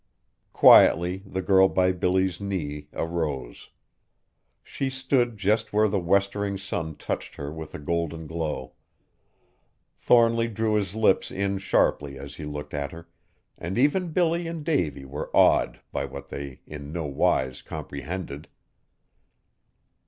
Quietly the girl by Billy's knee arose. She stood just where the westering sun touched her with a golden glow. Thornly drew his lips in sharply as he looked at her, and even Billy and Davy were awed by what they in no wise comprehended.